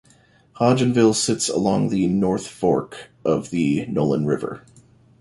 Hodgenville sits along the North Fork of the Nolin River.